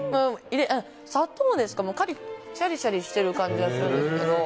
砂糖がかなりシャリシャリしてる感じがあるんですけど